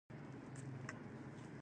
د هندوستان نجونې کړه بازيګرې دي.